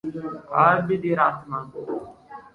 Albi di Rat-Man